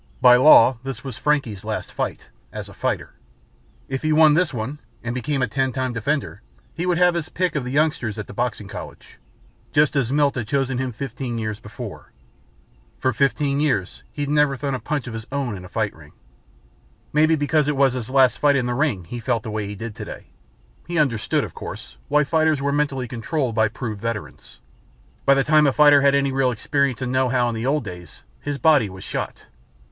By law this was Frankie's last fight as a fighter. If he won this one and became a Ten Time Defender he would have his pick of the youngsters at the Boxing College, just as Milt had chosen him fifteen years before. For fifteen years he'd never thrown a punch of his own in a fight ring. Maybe because it was his last fight in the ring he felt the way he did today. He understood, of course, why fighters were mentally controlled by proved veterans. By the time a fighter had any real experience and know how in the old days, his body was shot.